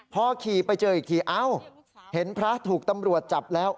พอขี่ไปเจออีกทีเอ้าเห็นพระถูกตำรวจจับแล้ว